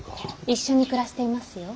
一緒に暮らしていますよ。